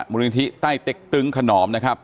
มูลนิธิใต้เต็กตึงขนอมนะครับ